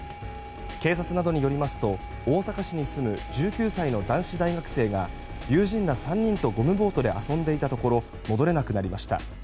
警察などによりますと大阪市に住む１９歳の男子大学生が友人ら３人とゴムボートで遊んでいたところ戻れなくなりました。